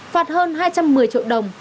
phạt hơn hai trăm một mươi triệu đồng